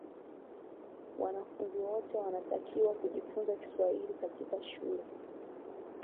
wanafunzi wote wanatakiwa kujifunza Kiswahili katika shule